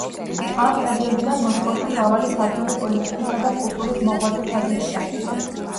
ამ პერიოდიდან მოსკოვში მრავალი ქართველი პოლიტიკისა და კულტურის მოღვაწე ჩადიოდა.